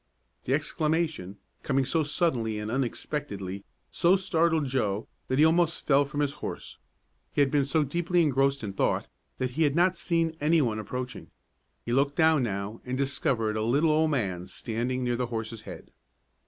The exclamation, coming so suddenly and unexpectedly, so startled Joe that he almost fell from his horse. He had been so deeply engrossed in thought that he had not seen any one approaching. He looked down now and discovered a little old man standing near the horse's head.